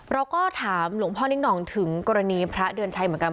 เราก็ถามหลวงพ่อนิ่งหน่องถึงกรณีพระเดือนชัยเหมือนกัน